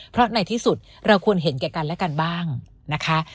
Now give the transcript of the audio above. เพราะในที่สุดเราควรเห็นแก่กันและกันบ้างนะคะ